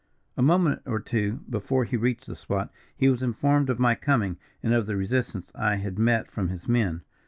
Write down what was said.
"A moment or two before he reached the spot, he was informed of my coming, and of the resistance I had met from his men.